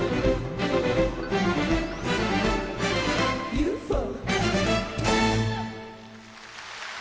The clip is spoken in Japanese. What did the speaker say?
ＵＦＯ！